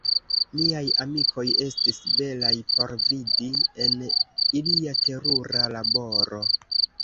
Miaj amikoj estis belaj por vidi, en ilia terura laboro.